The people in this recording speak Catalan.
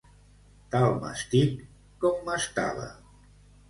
Tal m'estic com m'estava.